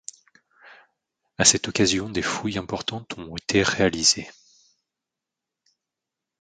À cette occasion des fouilles importantes ont été réalisées.